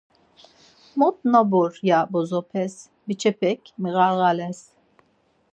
Mot nobur ya bozopes, biç̌epek miğarğales.